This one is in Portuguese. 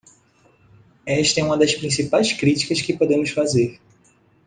Esta é uma das principais críticas que podemos fazer.